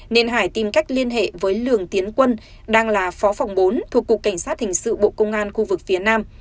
nên hải tìm cách liên hệ với lường tiến quân đang là phó phòng bốn thuộc cục cảnh sát hình sự bộ công an khu vực phía nam